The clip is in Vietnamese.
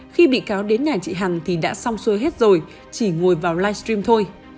khi bị cáo đến nhà chị hằng thì đã xong xuôi hết rồi chỉ ngồi vào livestream thôi